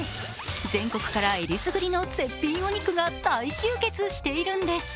全国から選りすぐりの絶品お肉が大集結しているんです。